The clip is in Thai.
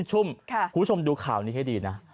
ชุ่มคุณผู้ชมดูข่าวนี้ให้ดีนะ